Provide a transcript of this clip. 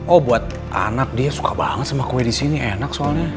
oh buat anak dia suka banget sama kue di sini enak soalnya